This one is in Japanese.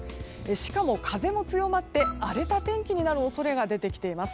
しかも、風も強まって荒れた天気になる恐れが出てきています。